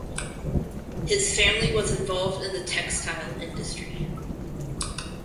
His family was involved in the textile industry.